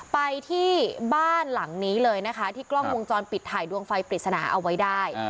ไปที่บ้านหลังนี้เลยนะคะที่กล้องวงจรปิดถ่ายดวงไฟปริศนาเอาไว้ได้